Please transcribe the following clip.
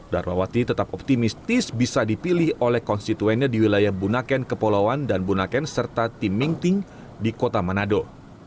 darmawati tetap optimistis bisa dipilih oleh konstituennya di wilayah bunaken kepulauan dan bunaken serta tim mingting di kota manado